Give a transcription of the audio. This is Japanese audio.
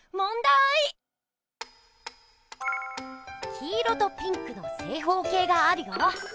黄色とピンクの正方形があるよ。